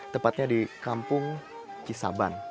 tepatnya di kampung kisaban